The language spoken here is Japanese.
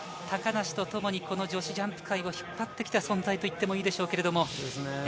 高梨と共に女子ジャンプ界を引っ張ってきた存在と言ってもいいでしょう。